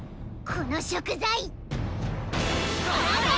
この食材。